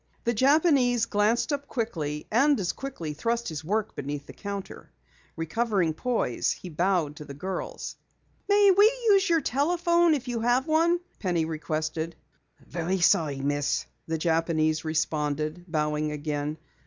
The Japanese glanced up quickly and as quickly thrust his work beneath the counter. Recovering poise, he bowed to the girls. "May we use your telephone if you have one?" Penny requested. "So very sorry, Miss," the Japanese responded, bowing again.